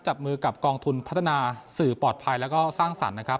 จับมือกับกองทุนพัฒนาสื่อปลอดภัยแล้วก็สร้างสรรค์นะครับ